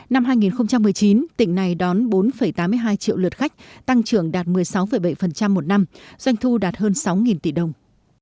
năm hai nghìn một mươi chín tỉnh này đón bốn tám mươi hai triệu lượt khách tăng trưởng đạt một mươi sáu bảy một năm doanh thu đạt hơn sáu tỷ đồng